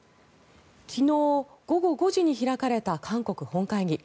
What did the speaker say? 昨日午後５時に開かれた韓国本会議。